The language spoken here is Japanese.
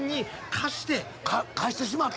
課してしまった。